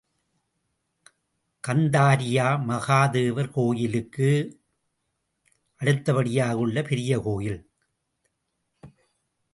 கந்தாரியா மகாதேவர் கோயிலுக்கு அடுத்தபடியாக உள்ள பெரிய கோயில் இதுதான்.